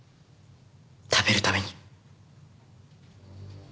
食べるために。